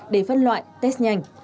để phân loại test nhanh